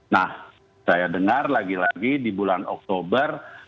nah saya dengar lagi lagi di bulan oktober